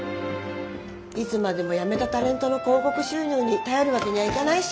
いつまでも辞めたタレントの広告収入に頼るわけにはいかないし。